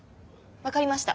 分かりました。